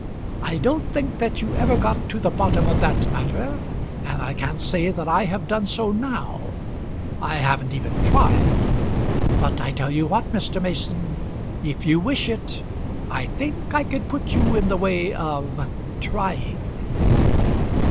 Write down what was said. I don't think that you ever got to the bottom of that matter, and I can't say that I have done so now; I haven't even tried. But I tell you what, Mr. Mason; if you wish it, I think I could put you in the way of trying."